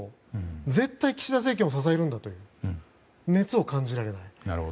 絶対、岸田政権を支えるんだという熱を感じられない。